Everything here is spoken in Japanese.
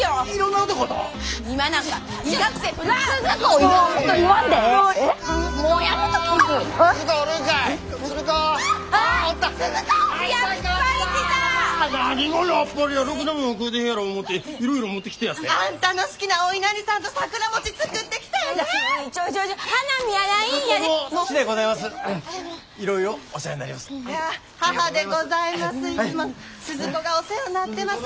いつもスズ子がお世話になってます。